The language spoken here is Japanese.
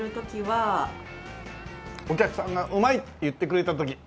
お客さんが「うまい！」って言ってくれた時だね。